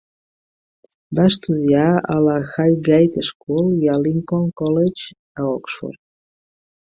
Va estudiar a la Highgate School i a Lincoln College, a Oxford.